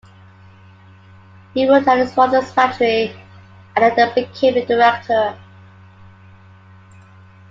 He worked at his father's factory and then became the director.